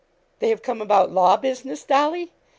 'They have come about law business, Dolly!'